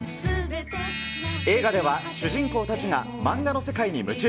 映画では、主人公たちが漫画の世界に夢中。